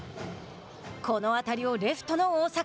この当たりをレフトの大坂。